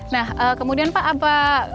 nah kemudian pak apa